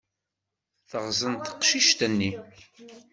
Teɣẓen teqcict-nni.